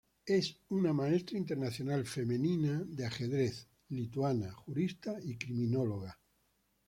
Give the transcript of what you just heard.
Es una Maestro Internacional Femenino de ajedrez lituana, jurista y criminólogo.